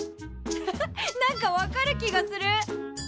ハハッ何か分かる気がする。